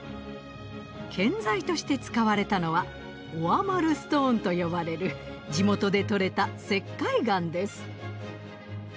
建材として使われたのはオアマルストーンと呼ばれる地元で採れた石灰岩です。